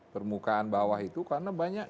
permukaan bawah itu karena banyak